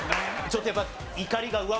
ちょっとやっぱ。